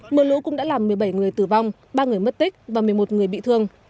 mưa lũ cũng đã làm một mươi bảy người tử vong ba người mất tích và một mươi một người bị thương